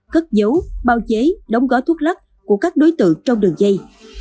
cất dấu bào chế đóng gó thuốc lắc của các đối tượng trong đường dây